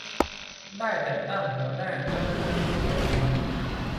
ได้แต่งตั้งหัวหน้าเจ้าหน้าที่เทคโนโลยี